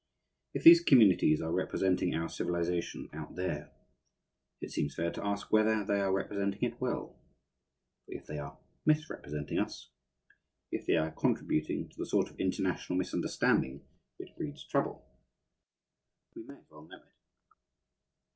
If these communities are representing our civilization out there, it seems fair to ask whether they are representing it well; for if they are misrepresenting us, if they are contributing to the sort of international misunderstanding which breeds trouble, we may as well know it.